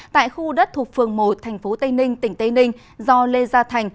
tại khu đất thuộc phường một tp tây ninh tỉnh tây ninh do lê gia thành